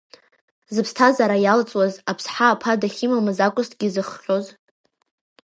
Зыԥсҭазаара иалҵуаз Аԥсҳа аԥа дахьимамыз акәызҭгьы изыхҟьоз?